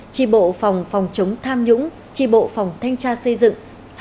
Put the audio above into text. tri bộ phòng phòng chống tham nhũng tri bộ phòng thanh tra xây dựng